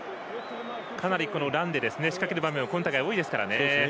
かなりランで仕掛けるプレーが今大会、多いですからね。